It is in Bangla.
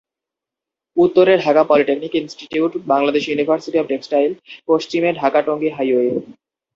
উত্তরে Dhaka polytechnic institute, Bangladesh university of textile, পশ্চিমে ঢাকা-টঙ্গী হাইওয়ে।